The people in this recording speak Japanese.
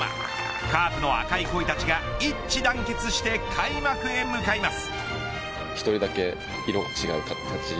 カープの赤い濃いたちが一致団結して開幕へ向かいます。